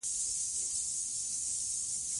دويمه اصلي موضوع مې مشهورسبکونه دي